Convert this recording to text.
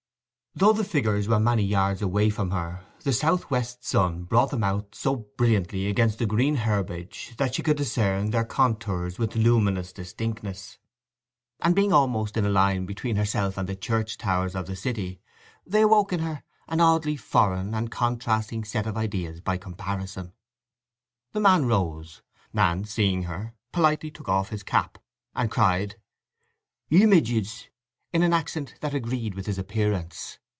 Though the figures were many yards away from her the south west sun brought them out so brilliantly against the green herbage that she could discern their contours with luminous distinctness; and being almost in a line between herself and the church towers of the city they awoke in her an oddly foreign and contrasting set of ideas by comparison. The man rose, and, seeing her, politely took off his cap, and cried, "I i i mages!" in an accent that agreed with his appearance.